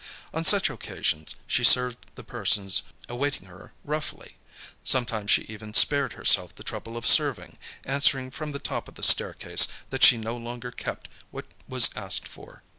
On such occasions she served the persons awaiting her roughly; sometimes she even spared herself the trouble of serving, answering from the top of the staircase, that she no longer kept what was asked for.